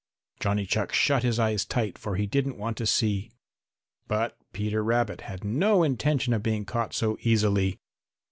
Johnny Chuck shut his eyes tight, for he didn't want to see. But Peter Rabbit had no intention of being caught so easily.